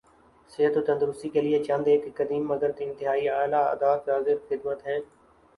صحت و تندرستی کیلئے چند ایک قدیم مگر انتہائی اعلی عادات حاضر خدمت ہیں